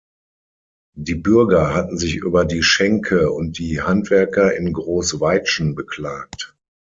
Die Bürger hatten sich über die Schenke und die Handwerker in Großweitzschen beklagt.